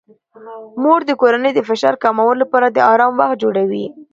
مور د کورنۍ د فشار کمولو لپاره د آرام وخت جوړوي.